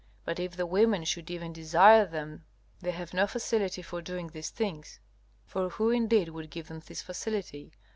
But if the women should even desire them they have no facility for doing these things. For who indeed would give them this facility?